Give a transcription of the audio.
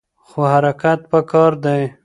خو حرکت پکار دی.